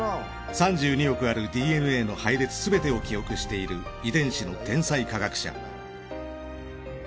３２億あるＤＮＡの配列すべてを記憶している遺伝子の天才科学者。